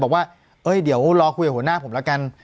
บอกว่าเดี๋ยวน้องก่อนรับคุยกับหัวหน้าผมแล้วกัน